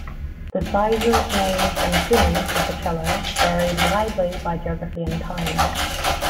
The sizes, names, and tunings of the cello varied widely by geography and time.